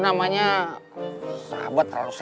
ke w apa gitu